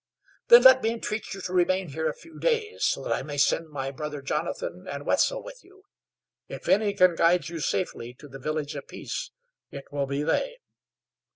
"Then let me entreat you to remain here a few days, so that I may send my brother Jonathan and Wetzel with you. If any can guide you safely to the Village of Peace it will be they."